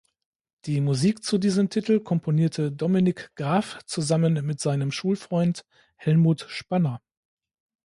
Die Musik zu diesem Titel komponierte Dominik Graf zusammen mit seinem Schulfreund Helmut Spanner.